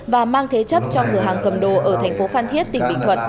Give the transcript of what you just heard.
và mang thế chấp cho cửa hàng cầm đồ ở thành phố phan thiết tỉnh bình thuận